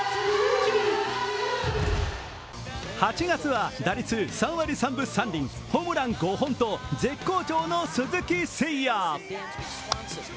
８月は打率３割３分３厘、ホームラン５本と、絶好調の鈴木誠也。